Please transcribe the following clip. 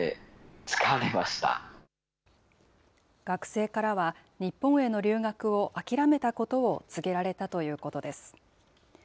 学生からは、日本への留学を諦めたことを告げられたということです。